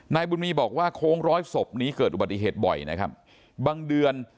นายบุญมีบอกว่าโค้งร้อยศพนี้เกิดอุบัติเหตุบ่อยนะครับบางเดือน